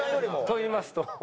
といいますと？